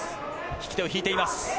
引き手を引いています。